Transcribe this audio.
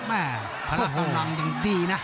ก๋อหัวพนักกำลังยังดีนะ